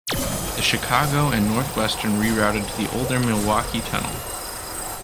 The Chicago and North Western rerouted to the older Milwaukee tunnel.